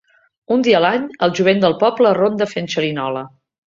Un dia a l'any, el jovent del poble ronda fent xerinola.